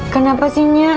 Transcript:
kenapa sih nyak